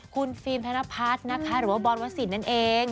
คุณฟิล์มธนพัฒน์นะคะหรือว่าบอลวสินนั่นเอง